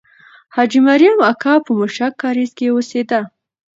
حاجي مریم اکا په موشک کارېز کې اوسېده.